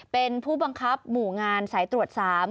เป็นผู้บังคับหมู่งานสายตรวจ๓